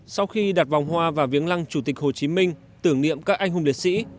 sau khi đặt vòng hoa và viếng lăng chủ tịch hồ chí minh tưởng niệm các anh hùng liệt sĩ